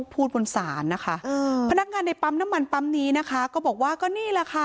ผ้านักงานในปั๊มน้ำมันปั๊มนี้บอกว่า